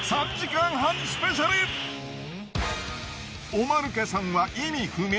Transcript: おマヌケさんは意味不明。